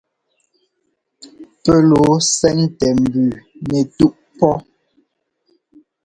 Pɛ́ lɔɔ ɛ́sɛ́ntɛ mbʉʉ nɛtúꞌ pɔ́.